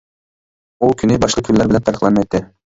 ئۇ كۈنى باشقا كۈنلەر بىلەن پەرقلەنمەيتتى.